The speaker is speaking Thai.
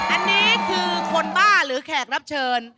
อันนี้คือคนบ้าหรือแขกรับเชิญ